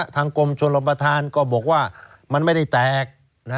ทางกรมชนรับประทานก็บอกว่ามันไม่ได้แตก